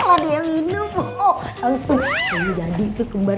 kalau dia minum langsung jadi kekembar dua belas